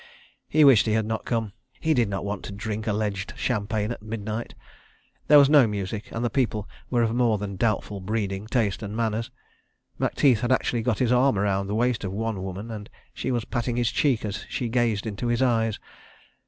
He wished he had not come. ... He did not want to drink alleged champagne at midnight. ... There was no music, and the people were of more than doubtful breeding, taste and manners. ... Macteith had actually got his arm round the waist of one woman, and she was patting his cheek as she gazed into his eyes.